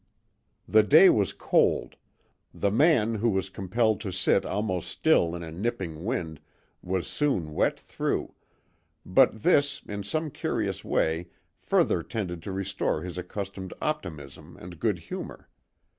The day was cold; the man, who was compelled to sit almost still in a nipping wind, was soon wet through, but this in some curious way further tended to restore his accustomed optimism and good humour.